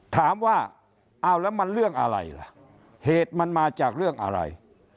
ถามว่าเอาแล้วมันเรื่องอะไรล่ะเหตุมันมาจากเรื่องอะไร